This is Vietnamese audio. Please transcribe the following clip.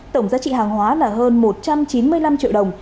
tổng giá trị hàng hóa là hơn một trăm chín mươi năm triệu đồng